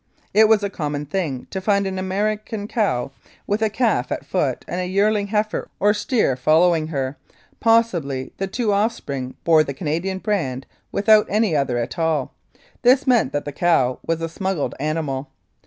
It was a common thing to find an American cow with a calf at foot and a yearling heifer or steer following her; possibly the two offspring bore the Canadian brand without any other at all. This meant that the cow was a smuggled animal.